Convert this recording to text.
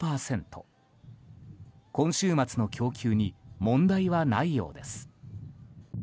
今週末の供給に問題はないようです。